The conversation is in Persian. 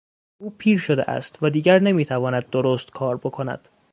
او پیر شده است و دیگر نمیتواند درست کار بکند.